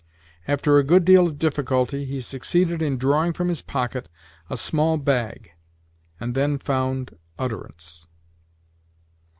After a good deal of difficulty, he succeeded in drawing from his pocket a small bag, and then found utterance.